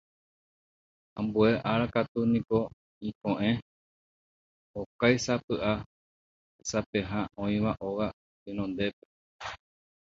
Ambue ára katu niko iko'ẽ okáisapy'a tesapeha oĩva óga renondetépe.